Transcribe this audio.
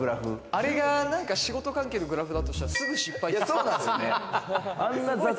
あれが仕事関係のグラフだとしたらすぐ失敗しそう。